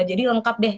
jadi lengkap deh